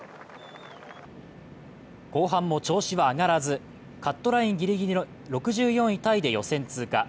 後半も調子は上がらずカットラインぎりぎりの６４位タイで予選通過。